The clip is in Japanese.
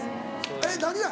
えっ何が？